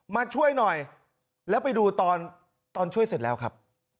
มาช่วยหน่อยแล้วไปดูตอนตอนช่วยเสร็จแล้วครับ